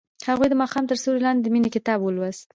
هغې د ماښام تر سیوري لاندې د مینې کتاب ولوست.